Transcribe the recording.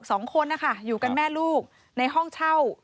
สองคนนะคะอยู่กันแม่ลูกในห้องเช่า